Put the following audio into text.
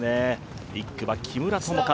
１区は木村友香